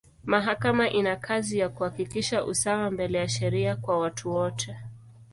Mahakama ina kazi ya kuhakikisha usawa mbele ya sheria kwa watu wote.